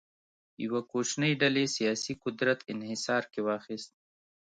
یوه کوچنۍ ډلې سیاسي قدرت انحصار کې واخیست.